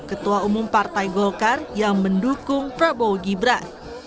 ketua umum partai golkar yang mendukung prabowo gibran